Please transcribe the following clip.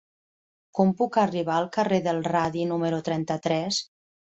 Com puc arribar al carrer del Radi número trenta-tres?